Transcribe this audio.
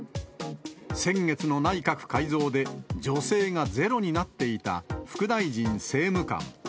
先月の内閣改造で女性がゼロになっていた副大臣・政務官。